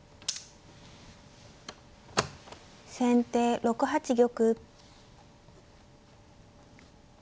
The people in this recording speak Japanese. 先手６八玉。